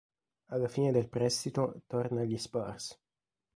Alla fine del prestito torna agli "Spurs".